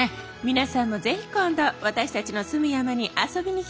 皆さんもぜひ今度私たちの住む山に遊びに来てくださいね。